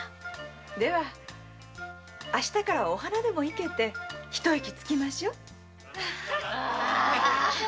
では明日からはお花でも活けて一息つきましょう。